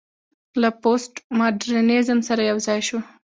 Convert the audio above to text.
له پوسټ ماډرنيزم سره يوځاى شو